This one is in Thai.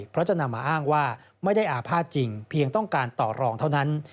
เพราะจะนำมาอ้างว่าไม่ได้อาภาษณ์จริงเพียงต้องการต่อรองเท่านั้น